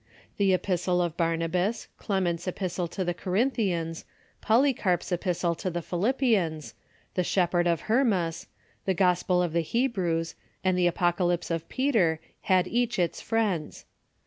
The Epistle of Bar nabas, Clement's Epistle to the Corinthians, Poly carp's Epistle to the Philippians, the Shepherd of Hernias, the Gospel of the Hebrews, and the Apocalypse of Peter had each its friends.